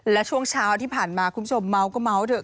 และช่วงเช้าที่ผ่านมาคุณผู้ชมเมาก็เมาส์เถอ